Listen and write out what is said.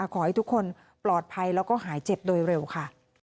ขอให้ทุกคนปลอดภัยแล้วก็หายเจ็บโดยเร็วค่ะ